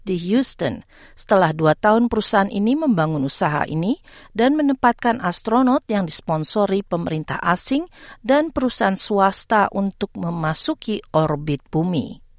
tidak mereka penerbangan terkenal yang dimusnahkan oleh perusahaan axioan yang berbasis di dron output